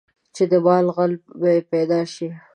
چې د مال غل به یې پیدا شي.